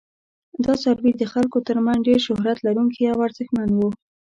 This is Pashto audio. دا څاروي د خلکو تر منځ ډیر شهرت لرونکي او ارزښتمن وو.